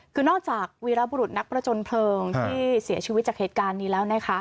คือนอกจากวีรบุรุษนักประจนเพลิงที่เสียชีวิตจากเหตุการณ์นี้แล้วนะคะ